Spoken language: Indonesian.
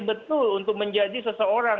betul untuk menjadi seseorang